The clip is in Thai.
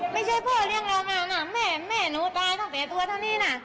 ไม่ใช่พ่อเรียกเรากันอ่ะแม่หนูตายตั้งแต่ตัวเท่านี้น่ะ